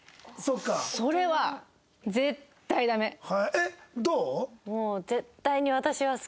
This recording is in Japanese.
えっどう？